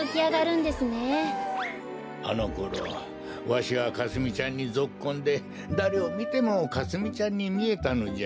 あのころわしはかすみちゃんにぞっこんでだれをみてもかすみちゃんにみえたのじゃ。